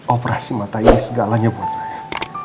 operasi mata ini segalanya buat saya